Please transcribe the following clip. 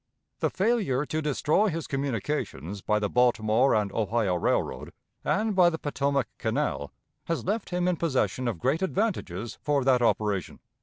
The failure to destroy his communications by the Baltimore and Ohio Railroad and by the Potomac Canal has left him in possession of great advantages for that operation.